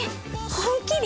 「本麒麟」⁉